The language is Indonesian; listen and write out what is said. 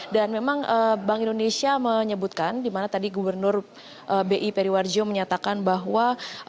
dan memang bank indonesia menyebutkan dimana tadi gubernur bi periwar jio menyatakan bahwa